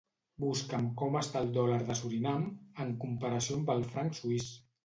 Busca'm com està el dòlar de Surinam en comparació amb el franc suís.